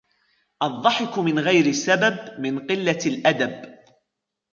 الضحك من غير سبب من قلة الأدب.